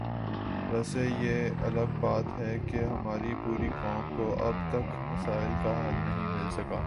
ویسے یہ الگ بات ہے کہ ہماری پوری قوم کو اب تک مسائل کا حل نہیں مل سکا